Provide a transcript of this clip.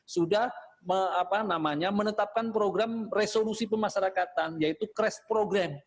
sudah menetapkan program resolusi pemasarakatan yaitu crash program